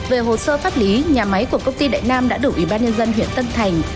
về hồ sơ pháp lý nhà máy của công ty đại nam đã đủ ủy ban nhân dân huyện tân thành